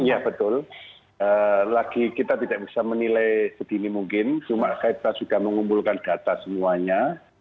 iya betul lagi kita tidak bisa menilai sedini mungkin cuma kita sudah mengumpulkan data semuanya